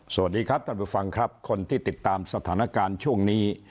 สวัสดีครับท่านผู้ฟังครับคนที่ติดตามสถานการณ์ช่วงนี้